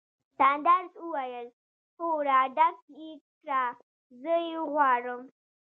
ساندرز وویل: هو، راډک یې کړه، زه یې غواړم.